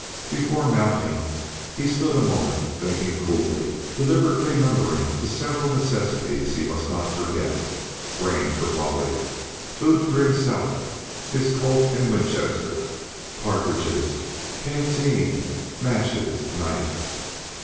Before mounting he stood a moment thinking coolly, deliberately numbering the several necessities he must not forget grain for Bolly, food for himself, his Colt and Winchester, cartridges, canteen, matches, knife.